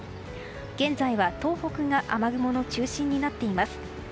現在は東北が雨雲の中心になっています。